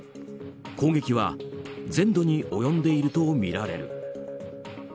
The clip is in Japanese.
攻撃は全土に及んでいるとみられる。